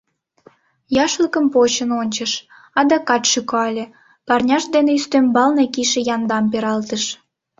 Яшлыкым почын ончыш, адакат шӱкале, парняж дене ӱстембалне кийше яндам пералтыш.